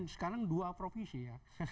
sekarang dua provinsi ya